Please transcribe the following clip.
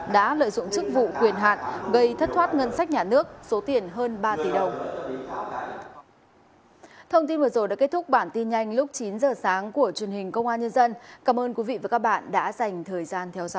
đã lợi dụng chức vụ quyền hạn gây thất thoát ngân sách nhà nước số tiền hơn ba tỷ đồng